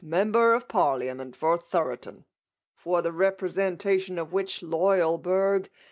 Member of Parliament for Thoroten ; for the representation of which loyal burgh 1^